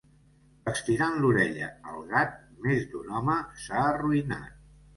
Estirant l'orella al gat més d'un home s'ha arruïnat.